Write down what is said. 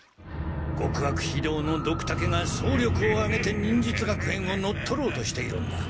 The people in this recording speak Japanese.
極悪非道のドクタケが総力をあげて忍術学園を乗っ取ろうとしているんだ。